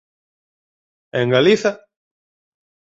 E en Galiza?